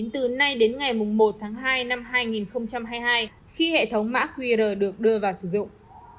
từ nay đến ngày một tháng hai năm hai nghìn hai mươi hai khi hệ thống mã qr được đưa vào sử dụng